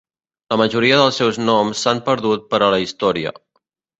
La majoria dels seus noms s'han perdut per a la història.